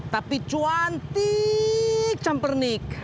tapi cuantik campurnik